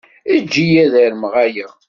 Eǧǧ-iyi ad armeɣ aya.